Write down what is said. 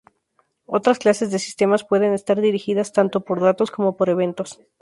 Otras clases de sistemas pueden estar dirigidas tanto por datos como por eventos.